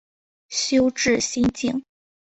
修智心净。